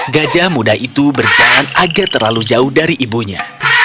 gajah muda itu berjalan agak terlalu jauh dari ibunya